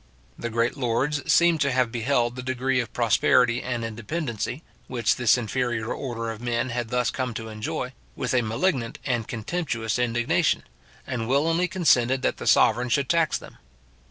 The great lords seem to have beheld the degree of prosperity and independency, which this inferior order of men had thus come to enjoy, with a malignant and contemptuous indignation, and willingly consented that the sovereign should tax them.